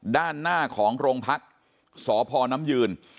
ด้านหน้าของโรงพักษ์สพน้ำยืน